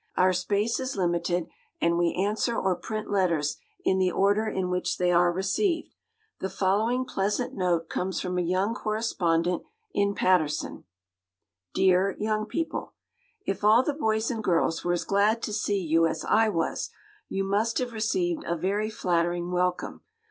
Our space is limited, and we answer or print letters in the order in which they are received. The following pleasant note comes from a young correspondent in Paterson: DEAR "YOUNG PEOPLE," If all the boys and girls were as glad to see you as I was, you must have received a very flattering welcome.